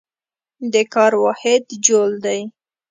د کار واحد جول دی.